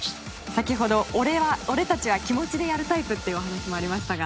先ほど俺たちは気持ちでやるタイプというお話もありましたが。